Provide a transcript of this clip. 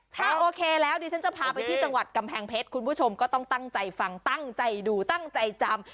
ถ้าโอเคแล้วดิฉันจะพาไปที่จังหวัดกำแพงเพชรคุณผู้ชมก็ต้องตั้งใจฟังตั้งใจดูตั้งใจจำ